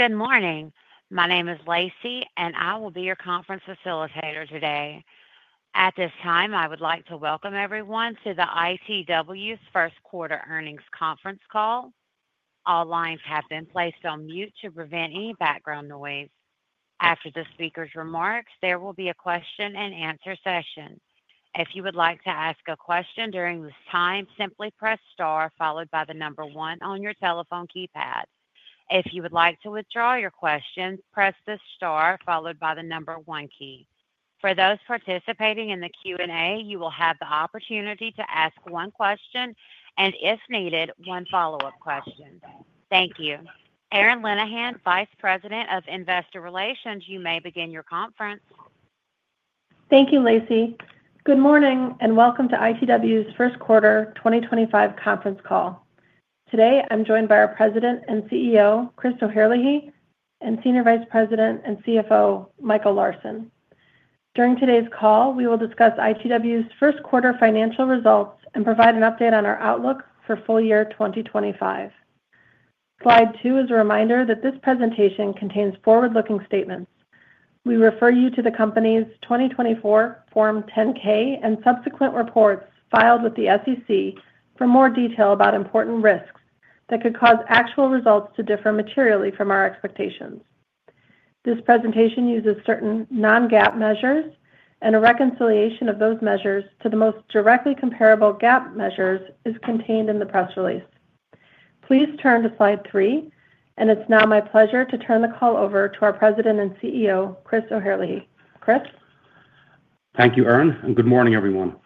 Good morning. My name is Lacey, and I will be your conference facilitator today. At this time, I would like to welcome everyone to ITW's First Quarter Earnings Conference Call. All lines have been placed on mute to prevent any background noise. After the speaker's remarks, there will be a question-and-answer session. If you would like to ask a question during this time, simply press star followed by the number one on your telephone keypad. If you would like to withdraw your question, press the star followed by the number one key. For those participating in the Q&A, you will have the opportunity to ask one question and, if needed, one follow-up question. Thank you. Erin Linnihan, Vice President of Investor Relations, you may begin your conference. Thank you, Lacey. Good morning and welcome to ITW's First Quarter 2025 Conference Call. Today, I'm joined by our President and CEO, Christopher O'Herlihy, and Senior Vice President and CFO, Michael Larsen. During today's call, we will discuss ITW's First Quarter financial results and provide an update on our outlook for full year 2025. Slide two is a reminder that this presentation contains forward-looking statements. We refer you to the company's 2024 Form 10-K and subsequent reports filed with the SEC for more detail about important risks that could cause actual results to differ materially from our expectations. This presentation uses certain non-GAAP measures, and a reconciliation of those measures to the most directly comparable GAAP measures is contained in the press release. Please turn to slide three, and it's now my pleasure to turn the call over to our President and CEO, Christopher O'Herlihy. Chris. Thank you, Erin, and good morning, everyone.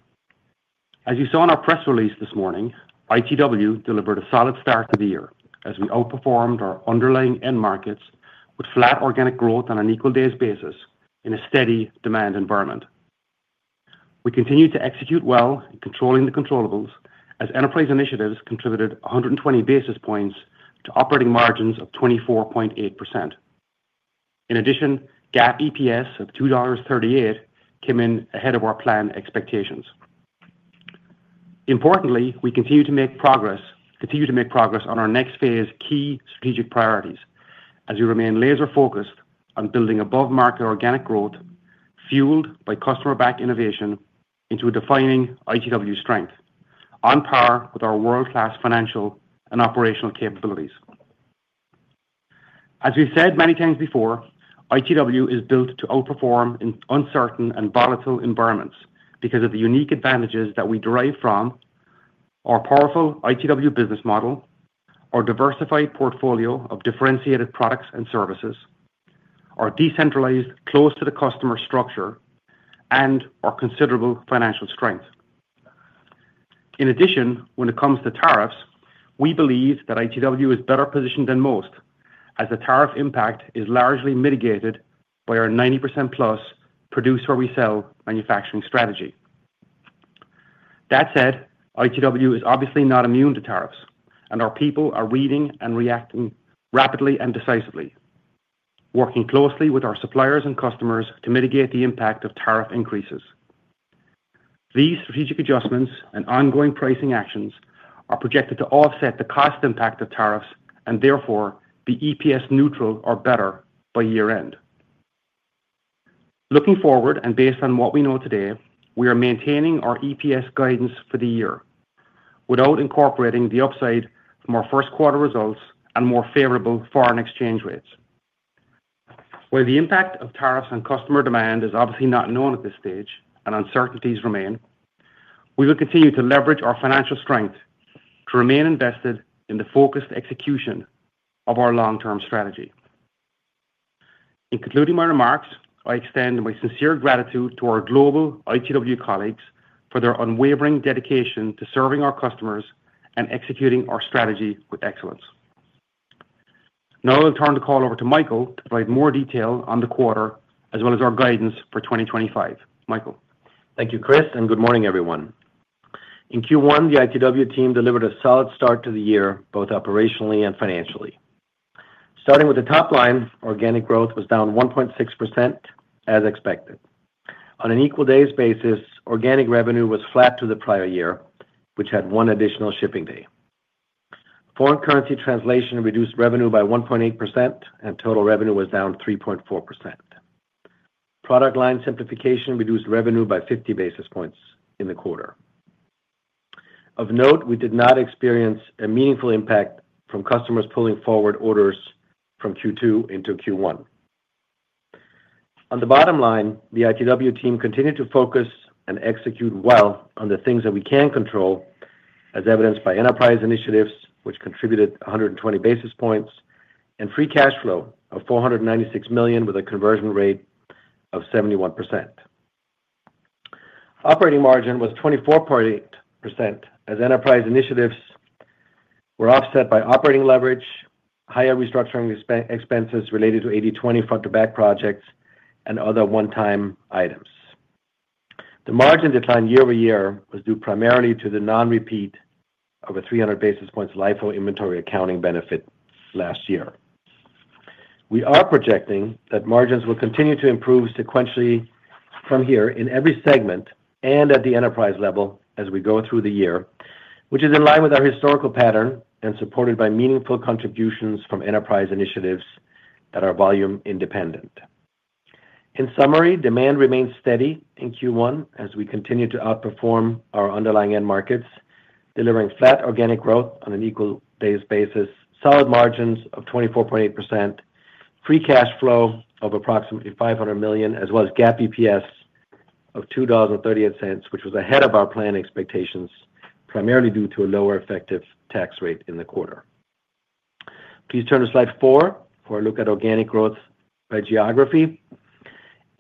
As you saw in our press release this morning, ITW delivered a solid start to the year as we outperformed our underlying end markets with flat organic growth on an equal-day basis in a steady demand environment. We continued to execute well in controlling the controllables as enterprise initiatives contributed 120 basis points to operating margins of 24.8%. In addition, GAAP EPS of $2.38 came in ahead of our planned expectations. Importantly, we continue to make progress on our next phase key strategic priorities as we remain laser-focused on building above-market organic growth fueled by customer-backed innovation into a defining ITW strength on par with our world-class financial and operational capabilities. As we've said many times before, ITW is built to outperform in uncertain and volatile environments because of the unique advantages that we derive from our powerful ITW business model, our diversified portfolio of differentiated products and services, our decentralized, close-to-the-customer structure, and our considerable financial strength. In addition, when it comes to tariffs, we believe that ITW is better positioned than most as the tariff impact is largely mitigated by our 90% plus produce-where-we-sell manufacturing strategy. That said, ITW is obviously not immune to tariffs, and our people are reading and reacting rapidly and decisively, working closely with our suppliers and customers to mitigate the impact of tariff increases. These strategic adjustments and ongoing pricing actions are projected to offset the cost impact of tariffs and therefore be EPS-neutral or better by year-end. Looking forward and based on what we know today, we are maintaining our EPS guidance for the year without incorporating the upside from our first-quarter results and more favorable foreign exchange rates. While the impact of tariffs on customer demand is obviously not known at this stage and uncertainties remain, we will continue to leverage our financial strength to remain invested in the focused execution of our long-term strategy. In concluding my remarks, I extend my sincere gratitude to our global ITW colleagues for their unwavering dedication to serving our customers and executing our strategy with excellence. Now, I'll turn the call over to Michael to provide more detail on the quarter as well as our guidance for 2025. Michael. Thank you, Chris, and good morning, everyone. In Q1, the ITW team delivered a solid start to the year both operationally and financially. Starting with the top line, organic growth was down 1.6% as expected. On an equal-day basis, organic revenue was flat to the prior year, which had one additional shipping day. Foreign currency translation reduced revenue by 1.8%, and total revenue was down 3.4%. Product line simplification reduced revenue by 50 basis points in the quarter. Of note, we did not experience a meaningful impact from customers pulling forward orders from Q2 into Q1. On the bottom line, the ITW team continued to focus and execute well on the things that we can control, as evidenced by enterprise initiatives, which contributed 120 basis points and free cash flow of $496 million with a conversion rate of 71%. Operating margin was 24.8% as enterprise initiatives were offset by operating leverage, higher restructuring expenses related to 80/20 Front-to-Back projects, and other one-time items. The margin decline year-over-year was due primarily to the non-repeat of a 300 basis points LIFO inventory accounting benefit last year. We are projecting that margins will continue to improve sequentially from here in every segment and at the enterprise level as we go through the year, which is in line with our historical pattern and supported by meaningful contributions from enterprise initiatives that are volume-independent. In summary, demand remains steady in Q1 as we continue to outperform our underlying end markets, delivering flat organic growth on an equal-day basis, solid margins of 24.8%, free cash flow of approximately $500 million, as well as GAAP EPS of $2.38, which was ahead of our planned expectations primarily due to a lower effective tax rate in the quarter. Please turn to slide four for a look at organic growth by geography.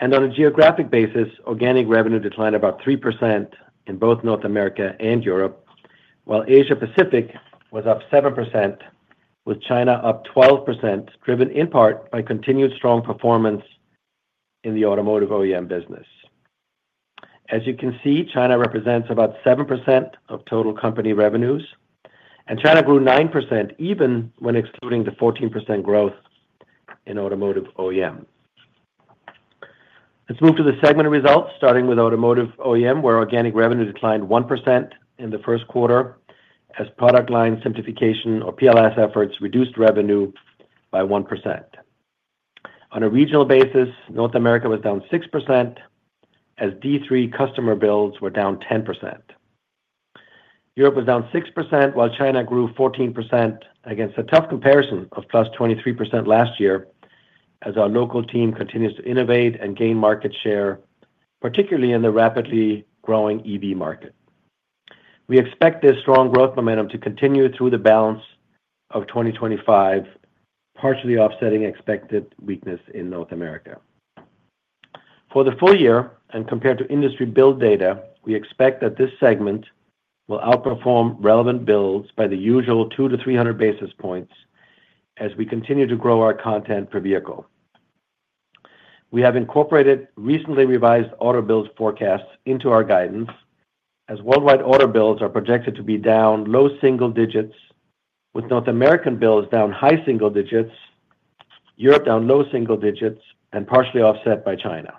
On a geographic basis, organic revenue declined about 3% in both North America and Europe, while Asia-Pacific was up 7%, with China up 12%, driven in part by continued strong performance in the automotive OEM business. As you can see, China represents about 7% of total company revenues, and China grew 9% even when excluding the 14% growth in automotive OEM. Let's move to the segment results, starting with Automotive OEM, where organic revenue declined 1% in the first quarter as Product Line Simplification or PLS efforts reduced revenue by 1%. On a regional basis, North America was down 6% as D3 customer builds were down 10%. Europe was down 6%, while China grew 14% against a tough comparison of plus 23% last year as our local team continues to innovate and gain market share, particularly in the rapidly growing EV market. We expect this strong growth momentum to continue through the balance of 2025, partially offsetting expected weakness in North America. For the full year and compared to industry build data, we expect that this segment will outperform relevant builds by the usual 200-300 basis points as we continue to grow our content per vehicle. We have incorporated recently revised auto builds forecasts into our guidance as worldwide auto builds are projected to be down low single digits, with North American builds down high single digits, Europe down low single digits, and partially offset by China.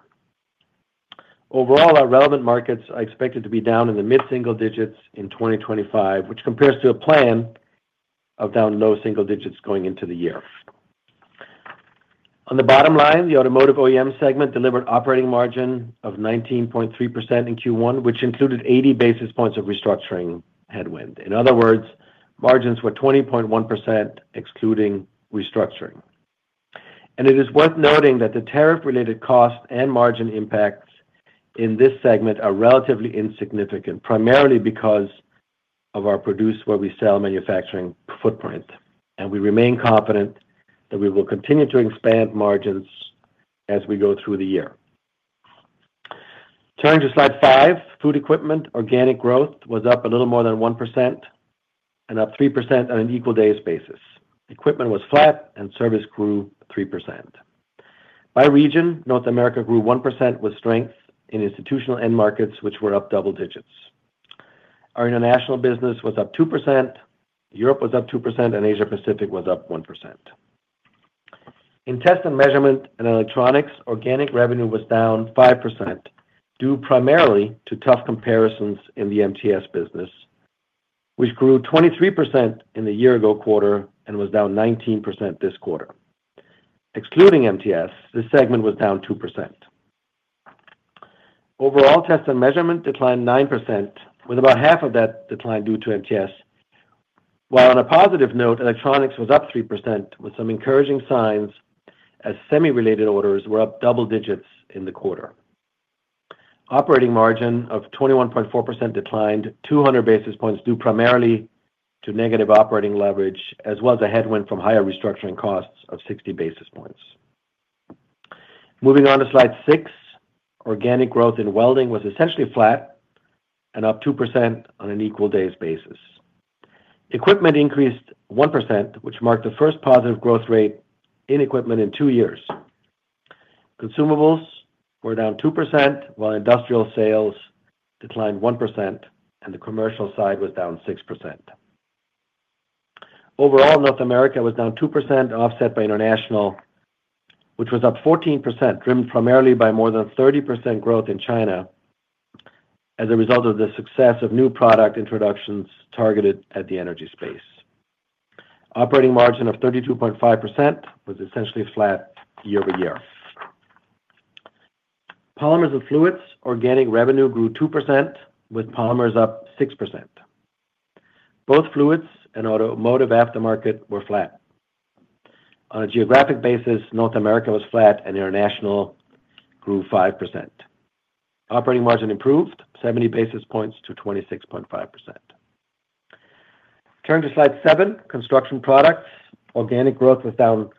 Overall, our relevant markets are expected to be down in the mid-single digits in 2025, which compares to a plan of down low single digits going into the year. On the bottom line, the Automotive OEM segment delivered operating margin of 19.3% in Q1, which included 80 basis points of restructuring headwind. In other words, margins were 20.1% excluding restructuring. It is worth noting that the tariff-related cost and margin impacts in this segment are relatively insignificant, primarily because of our produce-where-we-sell manufacturing footprint, and we remain confident that we will continue to expand margins as we go through the year. Turning to slide five, Food Equipment organic growth was up a little more than 1% and up 3% on an equal-day basis. Equipment was flat, and service grew 3%. By region, North America grew 1% with strength in institutional end markets, which were up double digits. Our international business was up 2%, Europe was up 2%, and Asia-Pacific was up 1%. In Test and Measurement and Electronics, organic revenue was down 5% due primarily to tough comparisons in the MTS business, which grew 23% in the year-ago quarter and was down 19% this quarter. Excluding MTS, this segment was down 2%. Overall, Test and Measurement declined 9%, with about half of that decline due to MTS, while on a positive note, Electronics was up 3% with some encouraging signs as semi-related orders were up double digits in the quarter. Operating margin of 21.4% declined 200 basis points due primarily to negative operating leverage as well as a headwind from higher restructuring costs of 60 basis points. Moving on to slide six, organic growth in Welding was essentially flat and up 2% on an equal-day basis. Equipment increased 1%, which marked the first positive growth rate in equipment in two years. Consumables were down 2%, while industrial sales declined 1%, and the commercial side was down 6%. Overall, North America was down 2% offset by international, which was up 14%, driven primarily by more than 30% growth in China as a result of the success of new product introductions targeted at the energy space. Operating margin of 32.5% was essentially flat year-over-year. Polymers and Fluids organic revenue grew 2%, with Polymers up 6%. Both Fluids and Automotive aftermarket were flat. On a geographic basis, North America was flat and international grew 5%. Operating margin improved 70 basis points to 26.5%. Turning to slide seven, construction products organic growth was down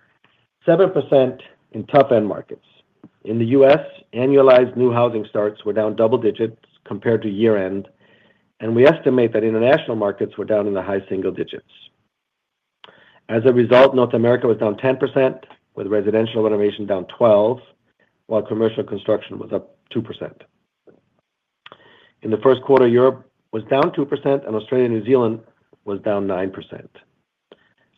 7% in tough end markets. In the U.S., annualized new housing starts were down double digits compared to year-end, and we estimate that international markets were down in the high single digits. As a result, North America was down 10%, with residential renovation down 12%, while commercial construction was up 2%. In the first quarter, Europe was down 2%, and Australia and New Zealand were down 9%.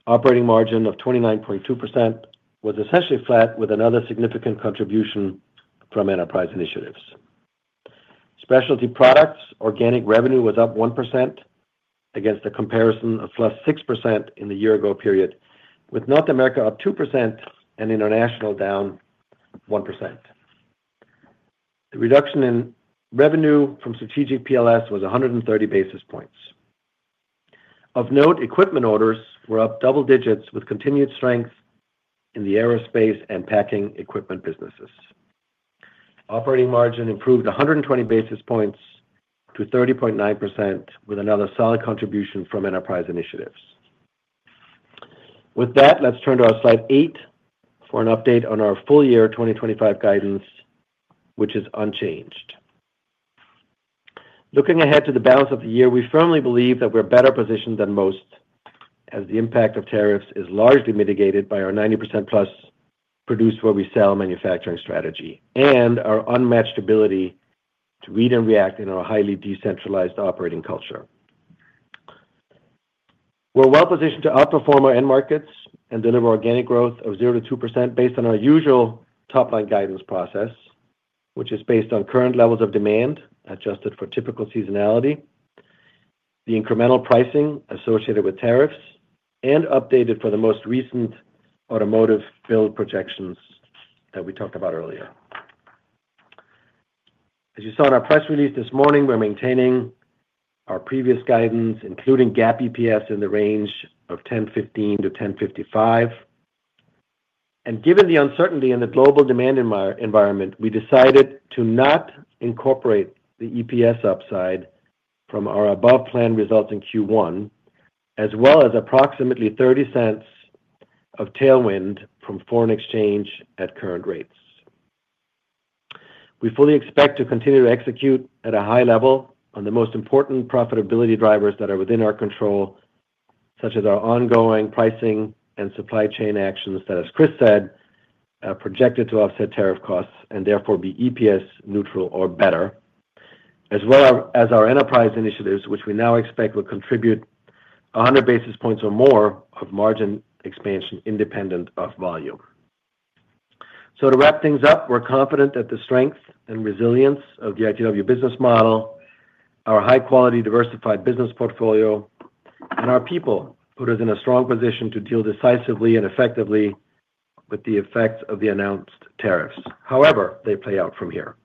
Operating margin of 29.2% was essentially flat, with another significant contribution from enterprise initiatives. Specialty Products organic revenue was up 1% against a comparison of plus 6% in the year-ago period, with North America up 2% and international down 1%. The reduction in revenue from strategic Product Line Simplification was 130 basis points. Of note, Equipment orders were up double digits, with continued strength in the aerospace and packing equipment businesses. Operating margin improved 120 basis points to 30.9%, with another solid contribution from enterprise initiatives. With that, let's turn to our slide eight for an update on our full year 2025 guidance, which is unchanged. Looking ahead to the balance of the year, we firmly believe that we're better positioned than most as the impact of tariffs is largely mitigated by our 90%+ produce-where-we-sell manufacturing strategy and our unmatched ability to read and react in our highly decentralized operating culture. We're well positioned to outperform our end markets and deliver organic growth of 0%-2% based on our usual top-line guidance process, which is based on current levels of demand adjusted for typical seasonality, the incremental pricing associated with tariffs, and updated for the most recent automotive build projections that we talked about earlier. As you saw in our press release this morning, we're maintaining our previous guidance, including GAAP EPS in the range of $10.15-$10.55. Given the uncertainty in the global demand environment, we decided to not incorporate the EPS upside from our above planned results in Q1, as well as approximately $0.30 of tailwind from foreign exchange at current rates. We fully expect to continue to execute at a high level on the most important profitability drivers that are within our control, such as our ongoing pricing and supply chain actions that, as Chris said, are projected to offset tariff costs and therefore be EPS neutral or better, as well as our enterprise initiatives, which we now expect will contribute 100 basis points or more of margin expansion independent of volume. To wrap things up, we're confident that the strength and resilience of the ITW business model, our high-quality diversified business portfolio, and our people put us in a strong position to deal decisively and effectively with the effects of the announced tariffs. However they play out from here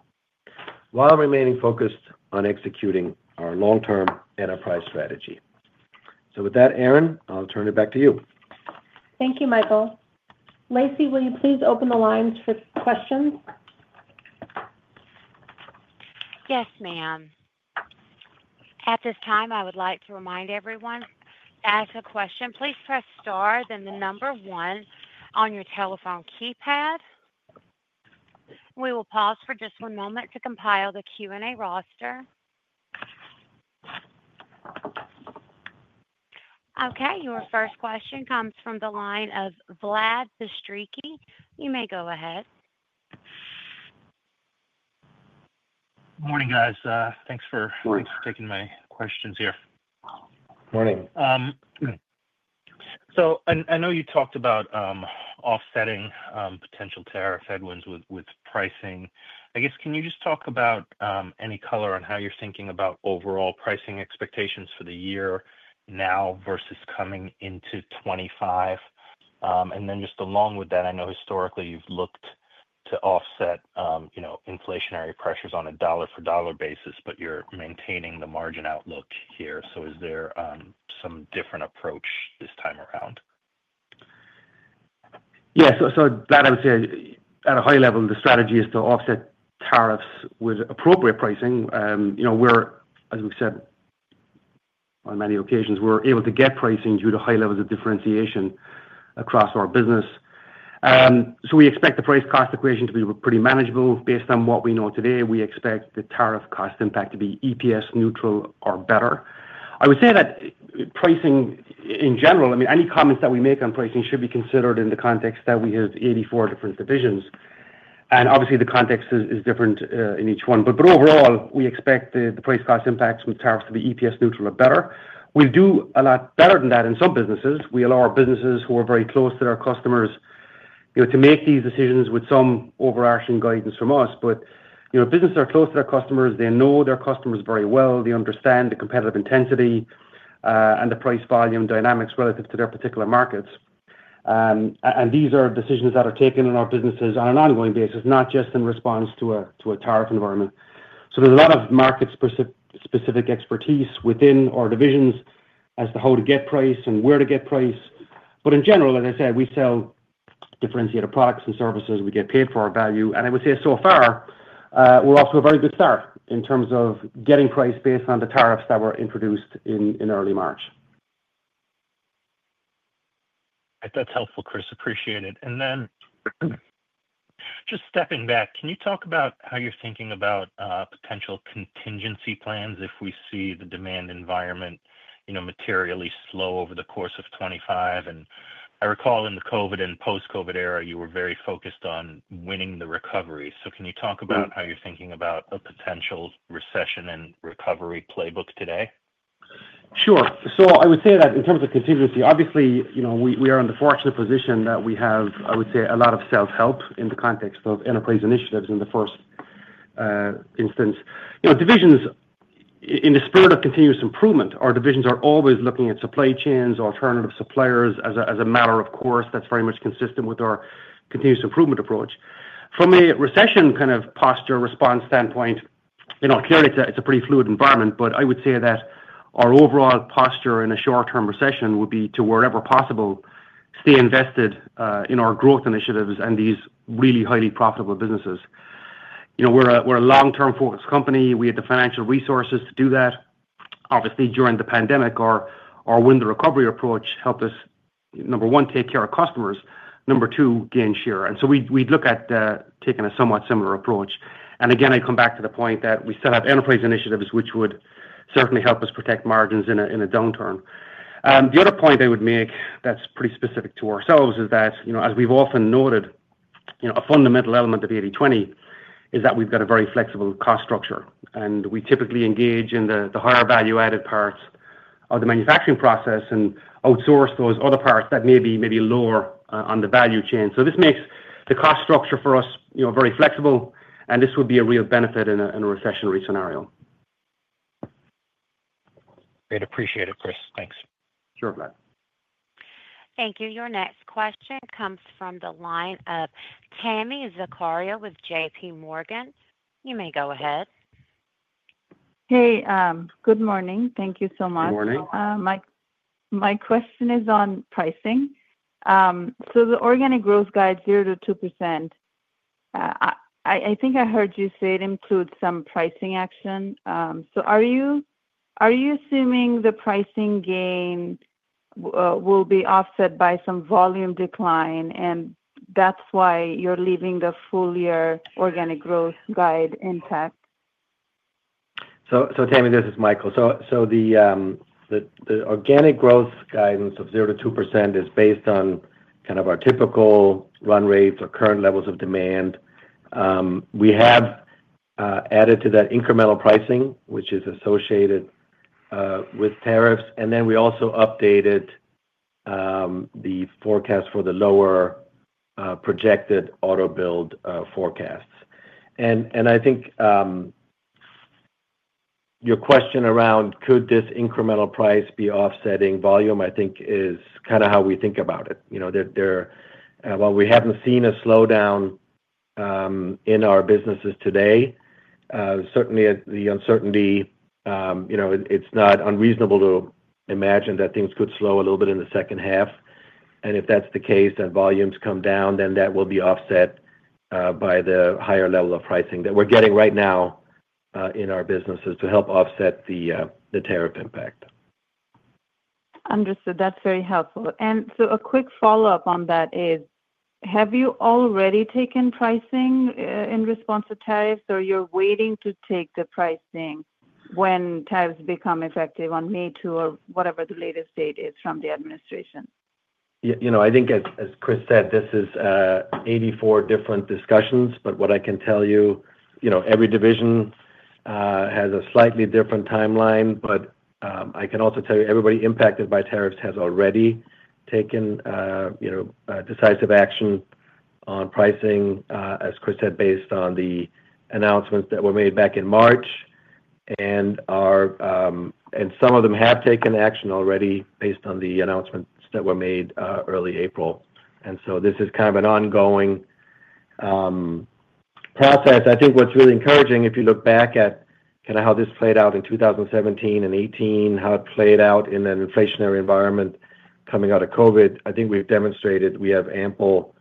while remaining focused on executing our long-term enterprise strategy. With that, Erin, I'll turn it back to you. Thank you, Michael. Lacey, will you please open the lines for questions? Yes, ma'am. At this time, I would like to remind everyone to ask a question. Please press star then the number one on your telephone keypad. We will pause for just one moment to compile the Q&A roster. Okay. Your first question comes from the line of Vlad Bystricky. You may go ahead. Morning, guys. Thanks for taking my questions here. Morning. I know you talked about offsetting potential tariff headwinds with pricing. I guess, can you just talk about any color on how you're thinking about overall pricing expectations for the year now versus coming into 2025? And then just along with that, I know historically you've looked to offset inflationary pressures on a dollar-for-dollar basis, but you're maintaining the margin outlook here. So is there some different approach this time around? Yeah. That, I would say, at a high level, the strategy is to offset tariffs with appropriate pricing. We're, as we've said, on many occasions, we're able to get pricing due to high levels of differentiation across our business. We expect the price-cost equation to be pretty manageable. Based on what we know today, we expect the tariff-cost impact to be EPS neutral or better. I would say that pricing in general, I mean, any comments that we make on pricing should be considered in the context that we have 84 different divisions. Obviously, the context is different in each one. Overall, we expect the price-cost impacts from tariffs to be EPS neutral or better. We do a lot better than that in some businesses. We allow our businesses who are very close to their customers to make these decisions with some overarching guidance from us. Businesses are close to their customers. They know their customers very well. They understand the competitive intensity and the price volume dynamics relative to their particular markets. These are decisions that are taken in our businesses on an ongoing basis, not just in response to a tariff environment. There is a lot of market-specific expertise within our divisions as to how to get price and where to get price. In general, as I said, we sell differentiated products and services. We get paid for our value. I would say so far, we are off to a very good start in terms of getting price based on the tariffs that were introduced in early March. That's helpful, Chris. Appreciate it. Just stepping back, can you talk about how you're thinking about potential contingency plans if we see the demand environment materially slow over the course of 2025? I recall in the COVID and post-COVID era, you were very focused on winning the recovery. Can you talk about how you're thinking about a potential recession and recovery playbook today? Sure. I would say that in terms of contingency, obviously, we are in the fortunate position that we have, I would say, a lot of self-help in the context of enterprise initiatives in the first instance. In the spirit of continuous improvement, our divisions are always looking at supply chains or alternative suppliers as a matter of course. That is very much consistent with our continuous improvement approach. From a recession kind of posture response standpoint, clearly, it is a pretty fluid environment, but I would say that our overall posture in a short-term recession would be to, wherever possible, stay invested in our growth initiatives and these really highly profitable businesses. We are a long-term focused company. We had the financial resources to do that. Obviously, during the pandemic, our win-the-recovery approach helped us, number one, take care of customers. Number two, gain share. We'd look at taking a somewhat similar approach. Again, I come back to the point that we still have enterprise initiatives, which would certainly help us protect margins in a downturn. The other point I would make that's pretty specific to ourselves is that, as we've often noted, a fundamental element of 80/20 is that we've got a very flexible cost structure. We typically engage in the higher value-added parts of the manufacturing process and outsource those other parts that may be lower on the value chain. This makes the cost structure for us very flexible, and this would be a real benefit in a recessionary scenario. Great. Appreciate it, Chris. Thanks. Sure, Vlad. Thank you. Your next question comes from the line of Tami Zakaria with JPMorgan. You may go ahead. Hey. Good morning. Thank you so much. Good morning. My question is on pricing. The organic growth guide, 0%-2%, I think I heard you say it includes some pricing action. Are you assuming the pricing gain will be offset by some volume decline, and that's why you're leaving the full year organic growth guide intact? Tami, this is Michael. The organic growth guidance of 0%-2% is based on kind of our typical run rates or current levels of demand. We have added to that incremental pricing, which is associated with tariffs. We also updated the forecast for the lower projected auto build forecasts. I think your question around could this incremental price be offsetting volume, I think, is kind of how we think about it. While we have not seen a slowdown in our businesses today, certainly the uncertainty, it is not unreasonable to imagine that things could slow a little bit in the second half. If that is the case and volumes come down, then that will be offset by the higher level of pricing that we are getting right now in our businesses to help offset the tariff impact. Understood. That's very helpful. A quick follow-up on that is, have you already taken pricing in response to tariffs, or you're waiting to take the pricing when tariffs become effective on May 2 or whatever the latest date is from the administration? I think, as Chris said, this is 84 different discussions, but what I can tell you, every division has a slightly different timeline. I can also tell you everybody impacted by tariffs has already taken decisive action on pricing, as Chris said, based on the announcements that were made back in March. Some of them have taken action already based on the announcements that were made early April. This is kind of an ongoing process. I think what's really encouraging, if you look back at kind of how this played out in 2017 and 2018, how it played out in an inflationary environment coming out of COVID, I think we've demonstrated we have ample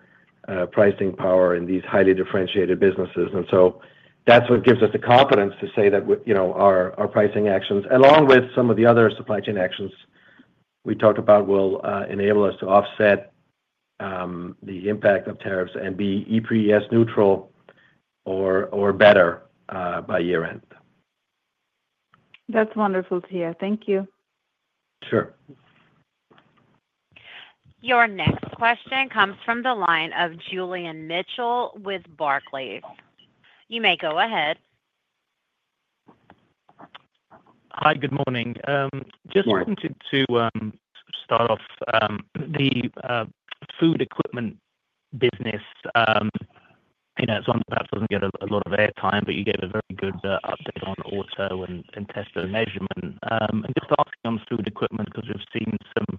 pricing power in these highly differentiated businesses. That is what gives us the confidence to say that our pricing actions, along with some of the other supply chain actions we talked about, will enable us to offset the impact of tariffs and be EPS neutral or better by year-end. That's wonderful to hear. Thank you. Sure. Your next question comes from the line of Julian Mitchell with Barclays. You may go ahead. Hi. Good morning. Just wanted to start off the Food Equipment business. I know it's on the path; it doesn't get a lot of airtime, but you gave a very good update on auto and Test and Measurement. Just asking on the Food Equipment because we've seen some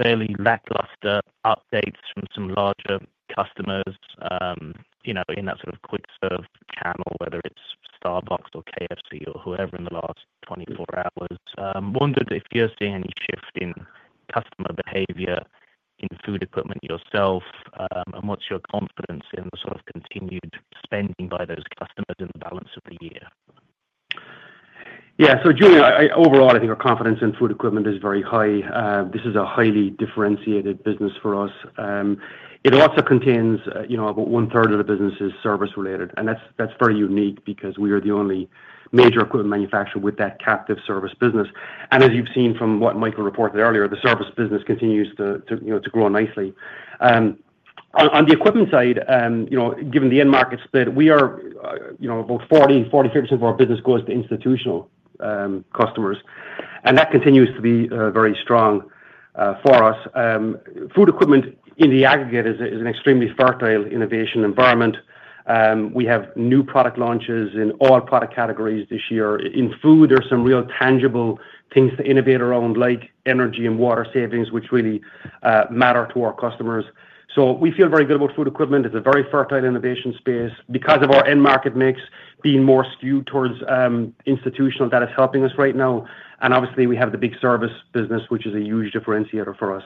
fairly lackluster updates from some larger customers in that sort of quick-serve channel, whether it's Starbucks or KFC or whoever in the last 24 hours. Wondered if you're seeing any shift in customer behavior in Food Equipment yourself, and what's your confidence in the sort of continued spending by those customers in the balance of the year? Yeah. Julian, overall, I think our confidence in Food Equipment is very high. This is a highly differentiated business for us. It also contains about one-third of the business is service-related. That is very unique because we are the only major equipment manufacturer with that captive service business. As you have seen from what Michael reported earlier, the service business continues to grow nicely. On the equipment side, given the end market split, about 40%-45% of our business goes to institutional customers. That continues to be very strong for us. Food Equipment in the aggregate is an extremely fertile innovation environment. We have new product launches in all product categories this year. In food, there are some real tangible things to innovate around, like energy and water savings, which really matter to our customers. We feel very good about Food Equipment. It's a very fertile innovation space because of our end market mix being more skewed towards institutional that is helping us right now. Obviously, we have the big service business, which is a huge differentiator for us.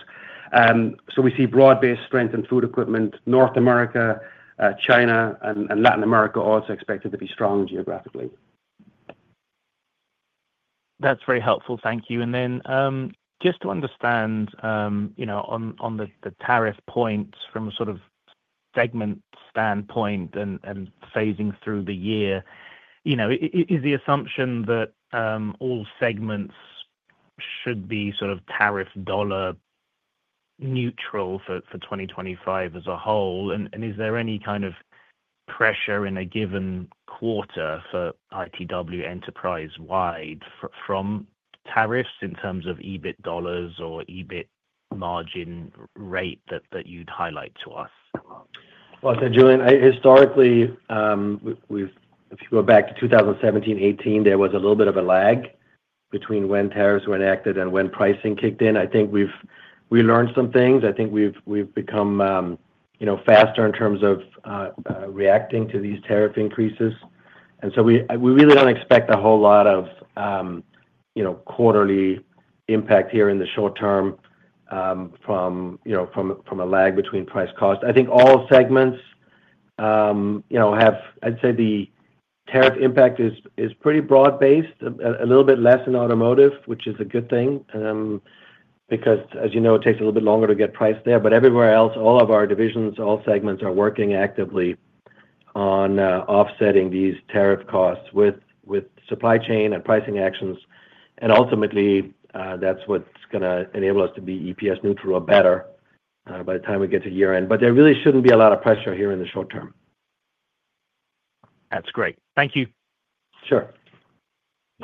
We see broad-based strength in Food Equipment. North America, China, and Latin America are also expected to be strong geographically. That's very helpful. Thank you. Just to understand on the tariff points from a sort of segment standpoint and phasing through the year, is the assumption that all segments should be sort of tariff dollar neutral for 2025 as a whole? Is there any kind of pressure in a given quarter for ITW Enterprise-wide from tariffs in terms of EBIT dollars or EBIT margin rate that you'd highlight to us? Julian, historically, if you go back to 2017, 2018, there was a little bit of a lag between when tariffs were enacted and when pricing kicked in. I think we learned some things. I think we have become faster in terms of reacting to these tariff increases. We really do not expect a whole lot of quarterly impact here in the short term from a lag between price-cost. I think all segments have, I would say the tariff impact is pretty broad-based, a little bit less in automotive, which is a good thing because, as you know, it takes a little bit longer to get price there. Everywhere else, all of our divisions, all segments are working actively on offsetting these tariff costs with supply chain and pricing actions. Ultimately, that's what's going to enable us to be EPS neutral or better by the time we get to year-end. There really shouldn't be a lot of pressure here in the short term. That's great. Thank you. Sure.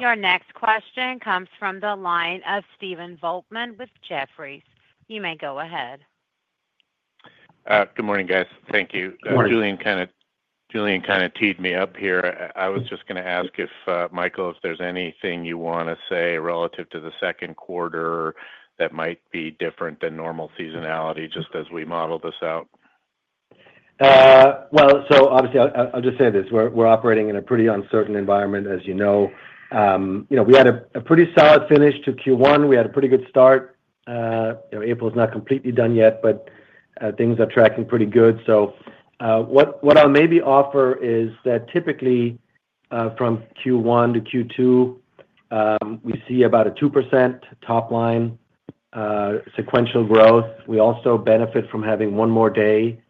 Your next question comes from the line of Stephen Volkmann with Jefferies. You may go ahead. Good morning, guys. Thank you. Good morning. Julian kind of teed me up here. I was just going to ask if Michael, if there's anything you want to say relative to the second quarter that might be different than normal seasonality just as we model this out. Obviously, I'll just say this. We're operating in a pretty uncertain environment, as you know. We had a pretty solid finish to Q1. We had a pretty good start. April is not completely done yet, but things are tracking pretty good. What I'll maybe offer is that typically from Q1 to Q2, we see about a 2% top-line sequential growth. We also benefit from having one more day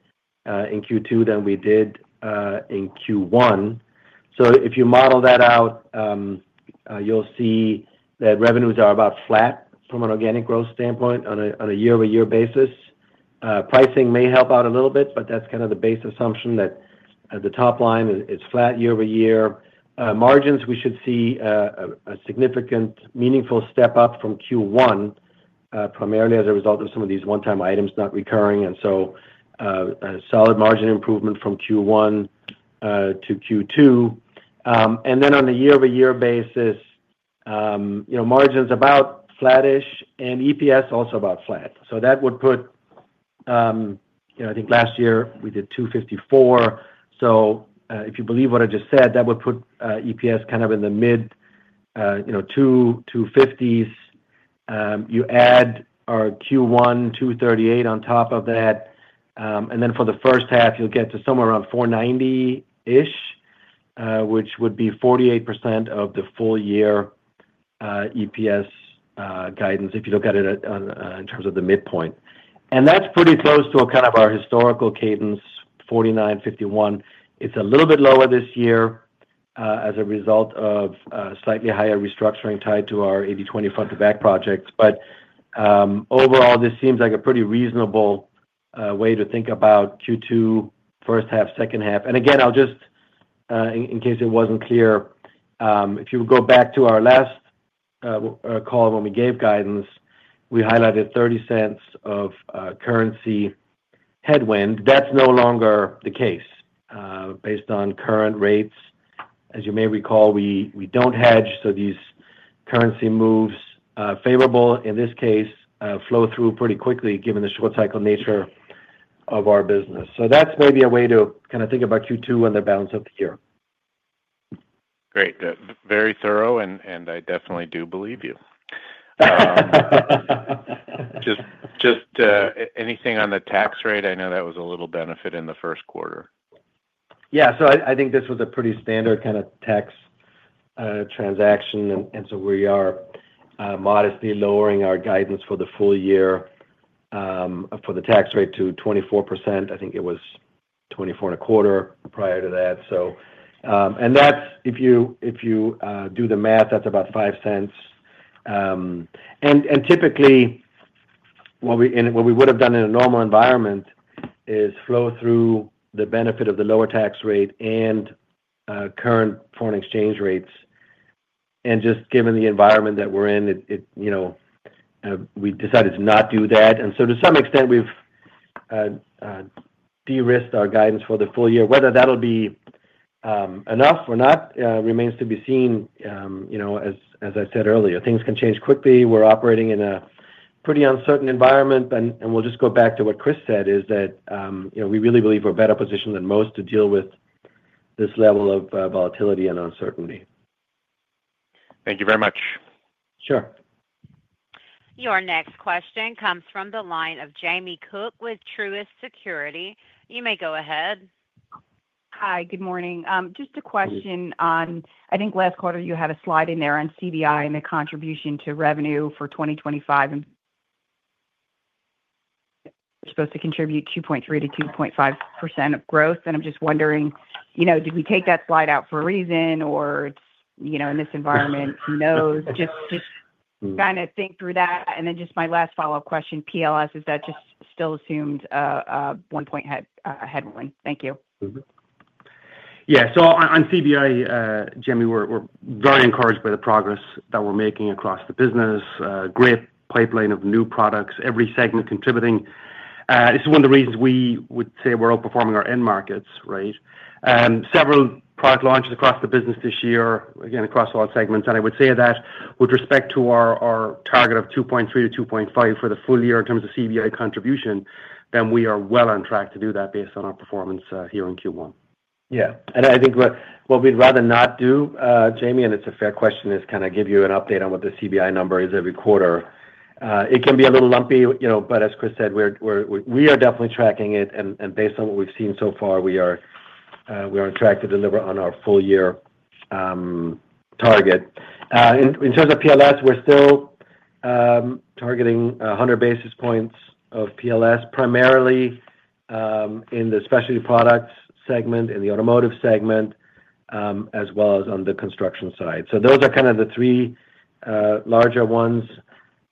in Q2 than we did in Q1. If you model that out, you'll see that revenues are about flat from an organic growth standpoint on a year-over-year basis. Pricing may help out a little bit, but that's kind of the base assumption that the top line is flat year-over-year. Margins, we should see a significant, meaningful step up from Q1, primarily as a result of some of these one-time items not recurring. A solid margin improvement from Q1 to Q2. On a year-over-year basis, margins are about flattish and EPS also about flat. That would put, I think last year we did $2.54. If you believe what I just said, that would put EPS kind of in the mid-$2.50s. You add our Q1 $2.38 on top of that. For the first half, you'll get to somewhere around $4.90-ish, which would be 48% of the full year EPS guidance if you look at it in terms of the midpoint. That is pretty close to kind of our historical cadence, 49%, 51%. It is a little bit lower this year as a result of slightly higher restructuring tied to our 80/20 front-to-back projects. Overall, this seems like a pretty reasonable way to think about Q2, first half, second half. In case it was not clear, if you would go back to our last call when we gave guidance, we highlighted $0.30 of currency headwind. That is no longer the case based on current rates. As you may recall, we do not hedge. These currency moves, favorable in this case, flow through pretty quickly given the short-cycle nature of our business. That is maybe a way to kind of think about Q2 and the balance of the year. Great. Very thorough, and I definitely do believe you. Just anything on the tax rate? I know that was a little benefit in the first quarter. Yeah. I think this was a pretty standard kind of tax transaction. We are modestly lowering our guidance for the full year for the tax rate to 24%. I think it was 24.25% prior to that. If you do the math, that's about $0.05. Typically, what we would have done in a normal environment is flow through the benefit of the lower tax rate and current foreign exchange rates. Just given the environment that we're in, we decided to not do that. To some extent, we've de-risked our guidance for the full year. Whether that'll be enough or not remains to be seen. As I said earlier, things can change quickly. We're operating in a pretty uncertain environment. We just go back to what Chris said, is that we really believe we're better positioned than most to deal with this level of volatility and uncertainty. Thank you very much. Sure. Your next question comes from the line of Jamie Cook with Truist Securities. You may go ahead. Hi. Good morning. Just a question on, I think last quarter you had a slide in there on CBI and the contribution to revenue for 2025. We're supposed to contribute 2.3%-2.5% of growth. I'm just wondering, did we take that slide out for a reason or in this environment, who knows? Just kind of think through that. Just my last follow-up question, PLS, is that just still assumed a one-point headwind? Thank you. Yeah. On CBI, Jamie, we're very encouraged by the progress that we're making across the business, great pipeline of new products, every segment contributing. This is one of the reasons we would say we're outperforming our end markets, right? Several product launches across the business this year, again, across all segments. I would say that with respect to our target of 2.3%-2.5% for the full year in terms of CBI contribution, we are well on track to do that based on our performance here in Q1. Yeah. I think what we'd rather not do, Jamie, and it's a fair question, is kind of give you an update on what the CBI number is every quarter. It can be a little lumpy, but as Chris said, we are definitely tracking it. Based on what we've seen so far, we are on track to deliver on our full year target. In terms of PLS, we're still targeting 100 basis points of PLS, primarily in the specialty products segment, in the automotive segment, as well as on the construction side. Those are kind of the three larger ones.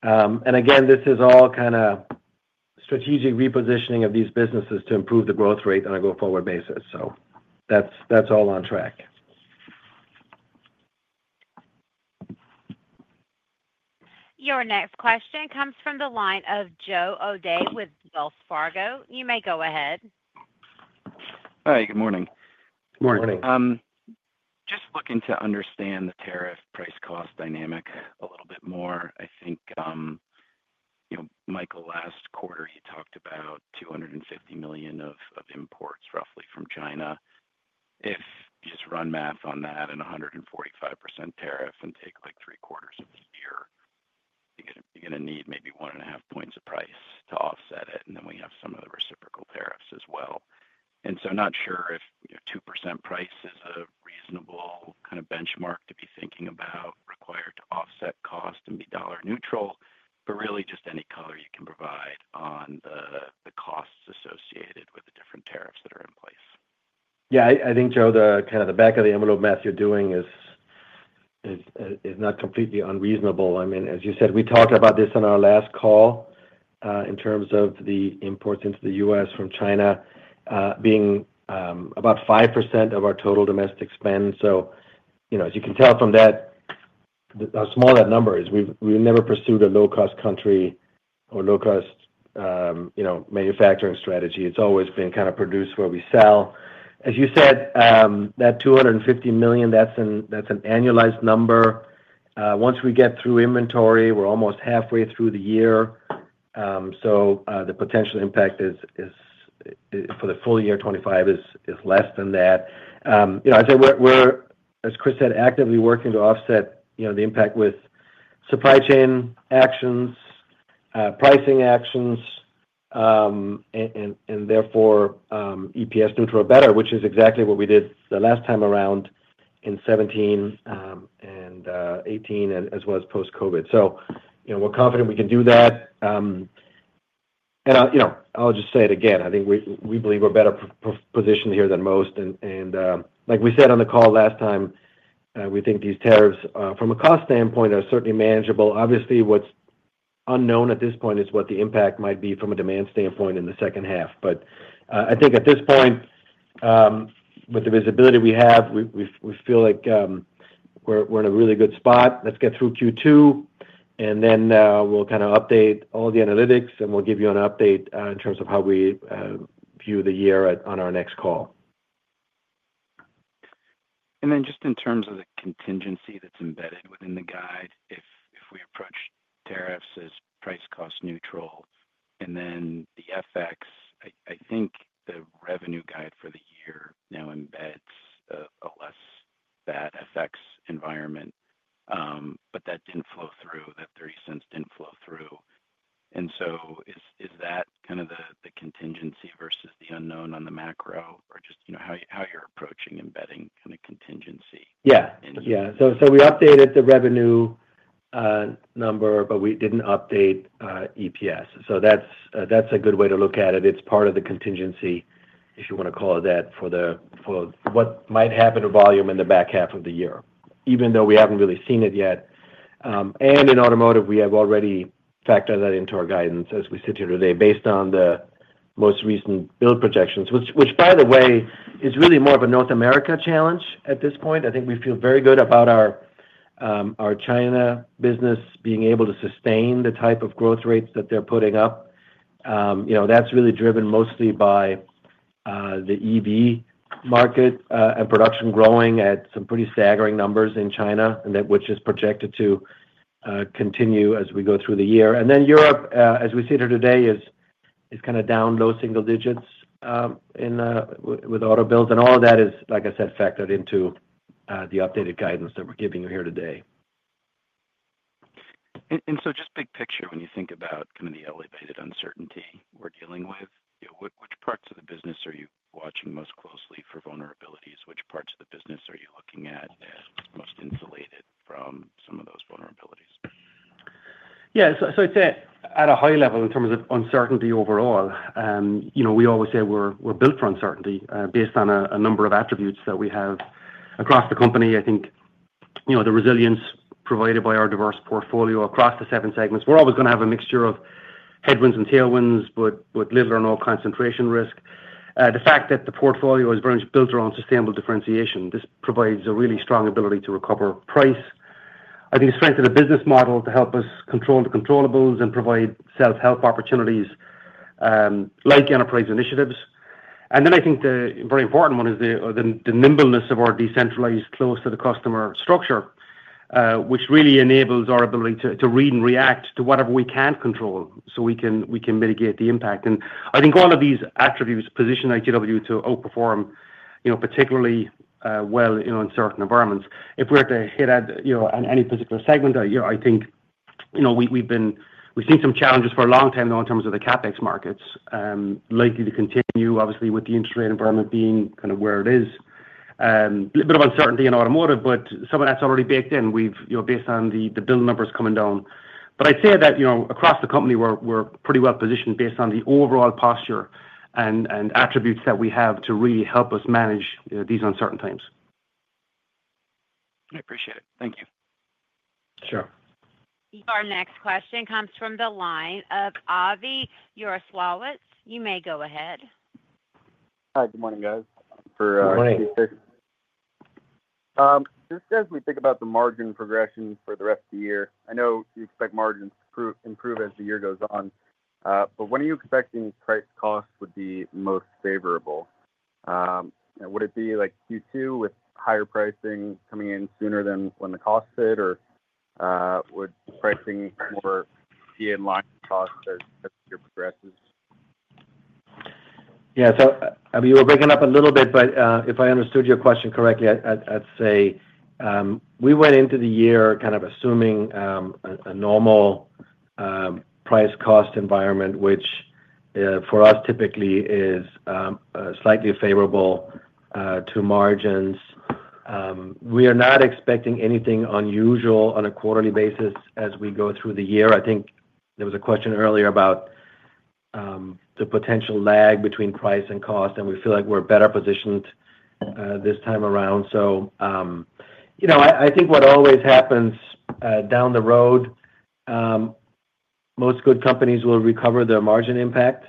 Again, this is all kind of strategic repositioning of these businesses to improve the growth rate on a go-forward basis. That is all on track. Your next question comes from the line of Joe O'Dea with Wells Fargo. You may go ahead. Hi. Good morning. Good morning. Good morning. Just looking to understand the tariff price-cost dynamic a little bit more. I think, Michael, last quarter, you talked about $250 million of imports roughly from China. If you just run math on that and 145% tariff and take like three quarters of the year, you're going to need maybe one and a half points of price to offset it. We have some of the reciprocal tariffs as well. Not sure if 2% price is a reasonable kind of benchmark to be thinking about required to offset cost and be dollar neutral, but really just any color you can provide on the costs associated with the different tariffs that are in place. Yeah. I think, Joe, kind of the back of the envelope math you're doing is not completely unreasonable. I mean, as you said, we talked about this on our last call in terms of the imports into the U.S. from China being about 5% of our total domestic spend. As you can tell from that, how small that number is, we've never pursued a low-cost country or low-cost manufacturing strategy. It's always been kind of produce-where-we-sell. As you said, that $250 million, that's an annualized number. Once we get through inventory, we're almost halfway through the year. The potential impact for the full year 2025 is less than that. As I said, as Chris said, we're actively working to offset the impact with supply chain actions, pricing actions, and therefore EPS neutral or better, which is exactly what we did the last time around in 2017 and 2018, as well as post-COVID. We are confident we can do that. I will just say it again. I think we believe we are better positioned here than most. Like we said on the call last time, we think these tariffs from a cost standpoint are certainly manageable. Obviously, what is unknown at this point is what the impact might be from a demand standpoint in the second half. I think at this point, with the visibility we have, we feel like we are in a really good spot. Let's get through Q2, and then we'll kind of update all the analytics, and we'll give you an update in terms of how we view the year on our next call. Just in terms of the contingency that's embedded within the guide, if we approach tariffs as price-cost neutral and then the FX, I think the revenue guide for the year now embeds a less bad FX environment, but that did not flow through, that 30 cents did not flow through. Is that kind of the contingency versus the unknown on the macro or just how you're approaching embedding kind of contingency? Yeah. Yeah. We updated the revenue number, but we did not update EPS. That is a good way to look at it. It is part of the contingency, if you want to call it that, for what might happen to volume in the back half of the year, even though we have not really seen it yet. In automotive, we have already factored that into our guidance as we sit here today based on the most recent build projections, which, by the way, is really more of a North America challenge at this point. I think we feel very good about our China business being able to sustain the type of growth rates that they are putting up. That is really driven mostly by the EV market and production growing at some pretty staggering numbers in China, which is projected to continue as we go through the year. Europe, as we sit here today, is kind of down low single digits with auto builds. All of that is, like I said, factored into the updated guidance that we're giving you here today. Just big picture, when you think about kind of the elevated uncertainty we are dealing with, which parts of the business are you watching most closely for vulnerabilities? Which parts of the business are you looking at that are most insulated from some of those vulnerabilities? Yeah. I'd say at a high level in terms of uncertainty overall, we always say we're built for uncertainty based on a number of attributes that we have across the company. I think the resilience provided by our diverse portfolio across the seven segments, we're always going to have a mixture of headwinds and tailwinds, but with little or no concentration risk. The fact that the portfolio is very much built around sustainable differentiation, this provides a really strong ability to recover price. I think the strength of the business model to help us control the controllables and provide self-help opportunities like enterprise initiatives. I think the very important one is the nimbleness of our decentralized close to the customer structure, which really enables our ability to read and react to whatever we can control so we can mitigate the impact. I think all of these attributes position ITW to outperform particularly well in uncertain environments. If we are to hit on any particular segment, I think we have seen some challenges for a long time now in terms of the CapEx markets, likely to continue, obviously, with the interest rate environment being kind of where it is. A little bit of uncertainty in automotive, but some of that is already baked in based on the build numbers coming down. I would say that across the company, we are pretty well positioned based on the overall posture and attributes that we have to really help us manage these uncertain times. I appreciate it. Thank you. Sure. Your next question comes from the line of Avi [Uresawitz]. You may go ahead. Hi. Good morning, guys. Good morning. This is Chris. Just as we think about the margin progression for the rest of the year, I know you expect margins to improve as the year goes on. When are you expecting price costs would be most favorable? Would it be Q2 with higher pricing coming in sooner than when the costs hit, or would pricing more be in line with costs as the year progresses? Yeah. You were breaking up a little bit, but if I understood your question correctly, I'd say we went into the year kind of assuming a normal price-cost environment, which for us typically is slightly favorable to margins. We are not expecting anything unusual on a quarterly basis as we go through the year. I think there was a question earlier about the potential lag between price and cost, and we feel like we're better positioned this time around. I think what always happens down the road, most good companies will recover their margin impact.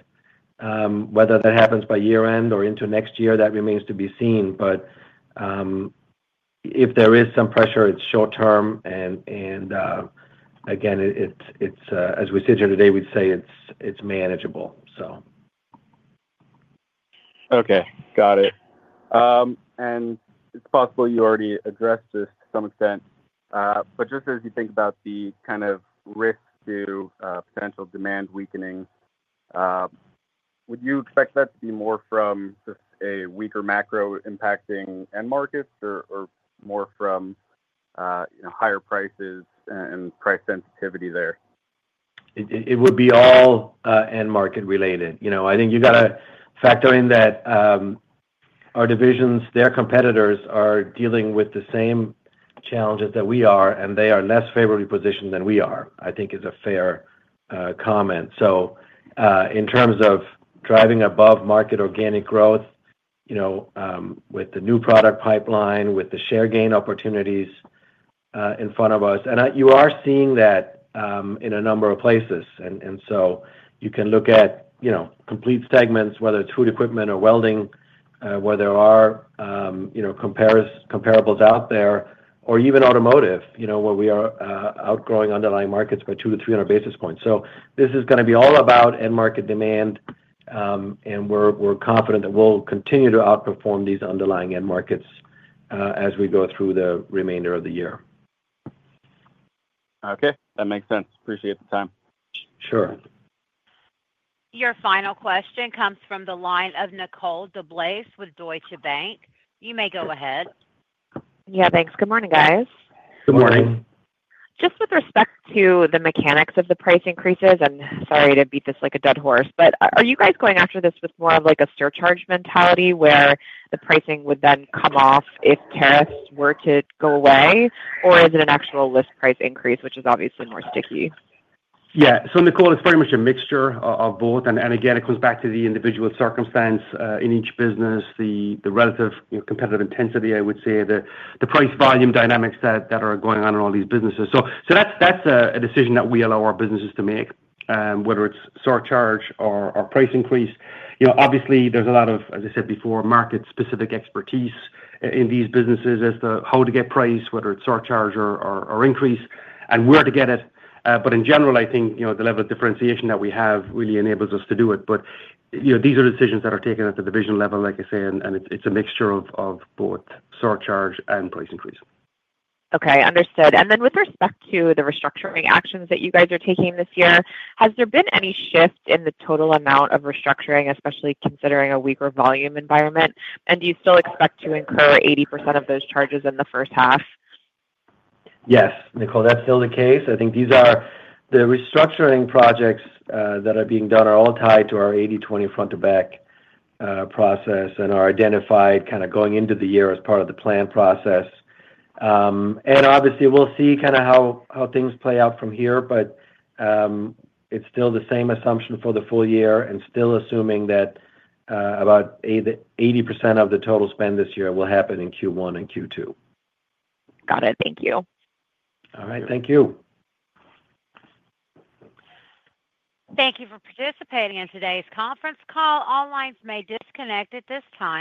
Whether that happens by year-end or into next year, that remains to be seen. If there is some pressure, it's short-term. Again, as we sit here today, we'd say it's manageable. Okay. Got it. It is possible you already addressed this to some extent. Just as you think about the kind of risk to potential demand weakening, would you expect that to be more from just a weaker macro impacting end markets or more from higher prices and price sensitivity there? It would be all end market related. I think you got to factor in that our divisions, their competitors are dealing with the same challenges that we are, and they are less favorably positioned than we are, I think is a fair comment. In terms of driving above market organic growth with the new product pipeline, with the share gain opportunities in front of us, you are seeing that in a number of places. You can look at complete segments, whether it is Food Equipment or Welding, where there are comparables out there, or even automotive, where we are outgrowing underlying markets by 200 to 300 basis points. This is going to be all about end market demand, and we're confident that we'll continue to outperform these underlying end markets as we go through the remainder of the year. Okay. That makes sense. Appreciate the time. Sure. Your final question comes from the line of Nicole DeBlase with Deutsche Bank. You may go ahead. Yeah. Thanks. Good morning, guys. Good morning. Just with respect to the mechanics of the price increases, and sorry to beat this like a dead horse, but are you guys going after this with more of like a surcharge mentality where the pricing would then come off if tariffs were to go away, or is it an actual list price increase, which is obviously more sticky? Yeah. Nicole, it's pretty much a mixture of both. It comes back to the individual circumstance in each business, the relative competitive intensity, I would say, the price volume dynamics that are going on in all these businesses. That is a decision that we allow our businesses to make, whether it's surcharge or price increase. Obviously, there is a lot of, as I said before, market-specific expertise in these businesses as to how to get price, whether it's surcharge or increase, and where to get it. In general, I think the level of differentiation that we have really enables us to do it. These are decisions that are taken at the division level, like I say, and it's a mixture of both surcharge and price increase. Okay. Understood. With respect to the restructuring actions that you guys are taking this year, has there been any shift in the total amount of restructuring, especially considering a weaker volume environment? Do you still expect to incur 80% of those charges in the first half? Yes. Nicole, that's still the case. I think these are the restructuring projects that are being done are all tied to our 80/20 front-to-back process and are identified kind of going into the year as part of the plan process. Obviously, we'll see kind of how things play out from here, but it's still the same assumption for the full year and still assuming that about 80% of the total spend this year will happen in Q1 and Q2. Got it. Thank you. All right. Thank you. Thank you for participating in today's conference call. All lines may disconnect at this time.